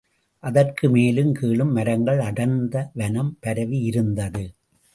அதற்கு மேலும் கீழும் மரங்கள் அடர்ந்த வனம் பரவியிருந்தது.